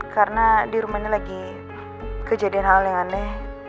karena di rumah ini lagi kejadian hal yang aneh